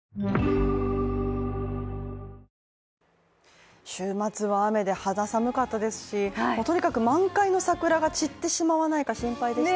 本麒麟週末は雨で肌寒かったですしとにかく満開の桜が散ってしまわないか心配でした。